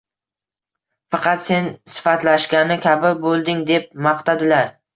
Faqat sen sifatlashgani kabi bo‘lding”, deb maqtadilar